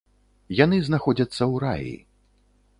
Яны знаходзяцца ў раі.